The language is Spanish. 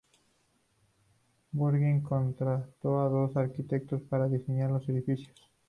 Bungie contrató a dos arquitectos para diseñar los edificios.